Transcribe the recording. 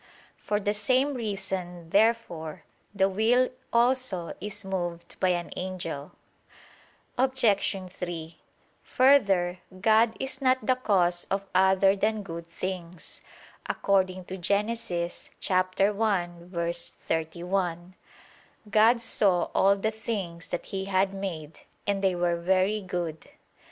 For the same reason, therefore, the will also is moved by an angel. Obj. 3: Further, God is not the cause of other than good things, according to Gen. 1:31: "God saw all the things that He had made, and they were very good."